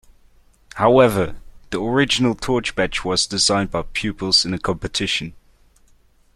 However, the original torch badge was designed by pupils in a competition.